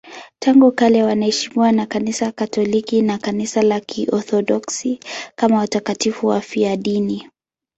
Tangu kale wanaheshimiwa na Kanisa Katoliki na Kanisa la Kiorthodoksi kama watakatifu wafiadini.